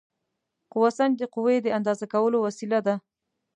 قوه سنج د قوې د اندازه کولو وسیله ده.